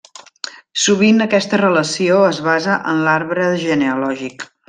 Sovint aquesta relació es basa en l'arbre genealògic.